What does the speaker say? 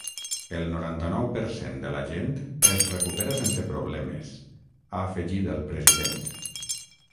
El noranta-nou per cent de la gent es recupera sense problemes, ha afegit el president.